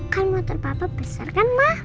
kan motor papa besar kan ma